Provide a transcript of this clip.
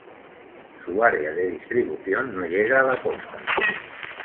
Su área de distribución no llega a la costa.